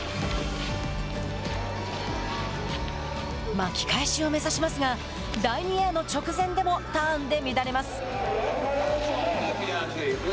巻き返しを目指しますが第２エアの直前でもターンで乱れます。